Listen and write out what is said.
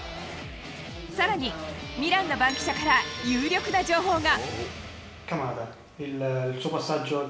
さらに、ミランの番記者から有力な情報が。